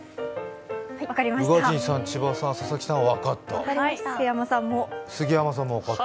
宇賀神さん、佐々木さん、千葉さんは分かった。